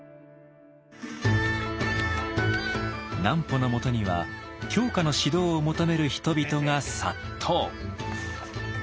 南畝のもとには狂歌の指導を求める人々が殺到。